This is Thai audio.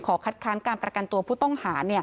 คัดค้านการประกันตัวผู้ต้องหา